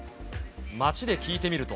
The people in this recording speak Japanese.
街で聞いてみると。